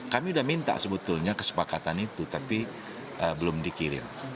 kami sudah minta sebetulnya kesepakatan itu tapi belum dikirim